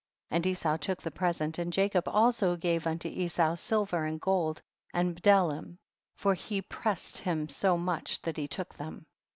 65. And Esau took the present, and Jacob also gave unto Esau silver and gold and bdellium, for he press ed iiim so much that he took tlietti.